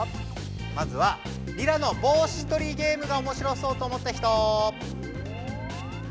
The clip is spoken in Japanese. まずはリラの「ぼうし取りゲーム！」がおもしろそうと思った人。